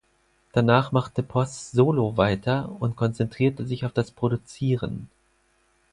Danach machte Poss Solo weiter und konzentrierte sich auf das Produzieren.